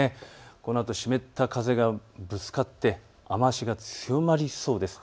このあと湿った風がぶつかって雨足が強まりそうです。